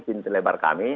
pintu lebar kami